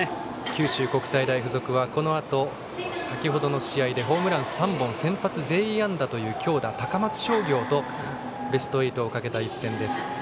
九州国際大付属はこのあと、先程の試合でホームラン３本先発全員安打という強打、高松商業とベスト８をかけた一戦です。